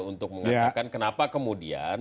untuk mengatakan kenapa kemudian